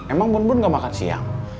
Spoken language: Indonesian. emang bun bun gak makan siang